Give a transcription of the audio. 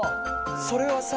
それはさ。